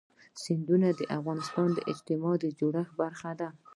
سیندونه د افغانستان د اجتماعي جوړښت برخه ده.